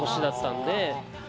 んで